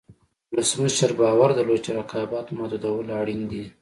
ولسمشر باور درلود چې رقابت محدودول اړین دي.